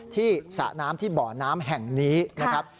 ที่สะน้ำที่เบาะน้ำแห่งนี้นะครับ